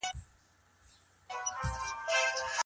که تشدد وکارول سي نو کرکه زیږوي.